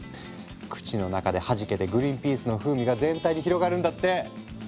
口の中ではじけてグリンピースの風味が全体に広がるんだって。